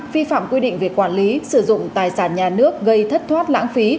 phi phạm quy định việc quản lý sử dụng tài sản nhà nước gây thất thoát lãng phí